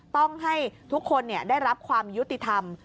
ต้องให้ทุกคนได้รับความยุติธรรม